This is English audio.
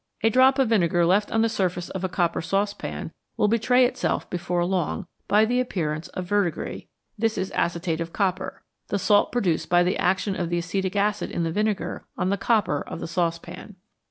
A drop of vinegar left on the surface of a copper saucepan will betray itself before long by the appearance of verdigris ; this is acetate of copper, the salt produced by the action of the acetic acid in the vinegar on the copper of the saucepan.